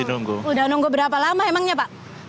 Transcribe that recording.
sudah nunggu berapa lama emangnya pak